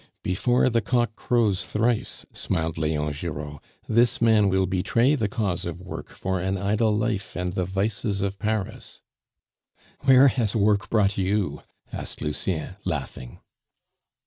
"Before the cock crows thrice," smiled Leon Giraud, "this man will betray the cause of work for an idle life and the vices of Paris." "Where has work brought you?" asked Lucien, laughing.